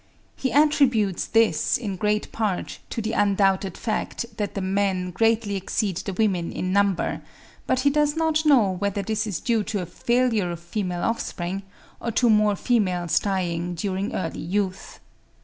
He attributes this, in great part, to the undoubted fact that the men greatly exceed the women in number; but he does not know whether this is due to a failure of female offspring, or to more females dying during early youth.